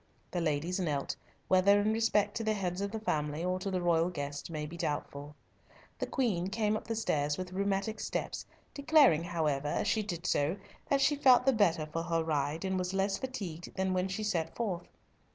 The ladies knelt, whether in respect to the heads of the family, or to the royal guest, may be doubtful. The Queen came up the stairs with rheumatic steps, declaring, however, as she did so, that she felt the better for her ride, and was less fatigued than when she set forth.